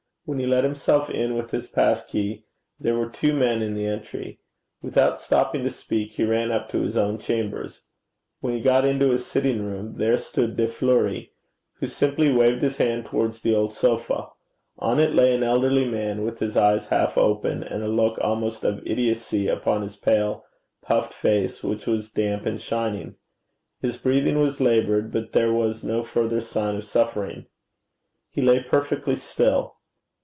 When he let himself in with his pass key, there were two men in the entry. Without stopping to speak, he ran up to his own chambers. When he got into his sitting room, there stood De Fleuri, who simply waved his hand towards the old sofa. On it lay an elderly man, with his eyes half open, and a look almost of idiocy upon his pale, puffed face, which was damp and shining. His breathing was laboured, but there was no further sign of suffering. He lay perfectly still.